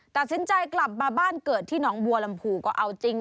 ตัดสินใจกลับมาบ้านเกิดที่หนองบัวลำพูก็เอาจริง